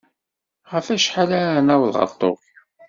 Ɣef wacḥal ara naweḍ ɣer Tokyo?